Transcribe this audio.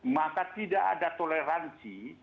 maka tidak ada toleransi